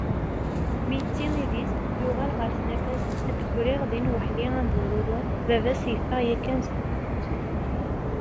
Mi yetti idis yuɣal ɣer tnafa-s ad d-griɣ din waḥdi am bururu. Baba-s yeffeɣ yakkan seg texxamt.